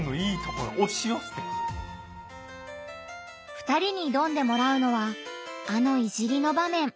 ２人に挑んでもらうのはあの「いじり」の場面。